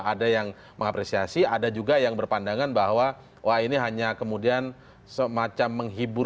ada yang mengapresiasi ada juga yang berpandangan bahwa wah ini hanya kemudian semacam menghibur